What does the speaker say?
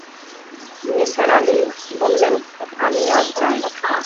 নিসার আলি বললেন, আমি আজ যাই।